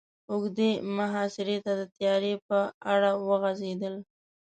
اوږدې محاصرې ته د تياري په اړه وغږېدل.